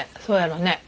そうやろね。